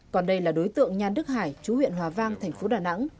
còn đây là đối tượng nhan đức hải chú huyện hòa vang thành phố đà nẵng